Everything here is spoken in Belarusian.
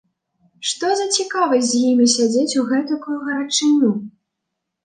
Што за цікавасць з імі сядзець у гэтакую гарачыню?